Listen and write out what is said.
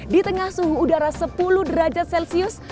di tengah suhu udara sepuluh derajat celcius